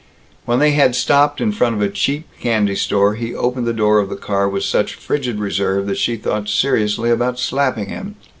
When they had stopped in front of a cheap candy store, he opened the door of the car with such frigid reserve that she thought seriously about slapping him.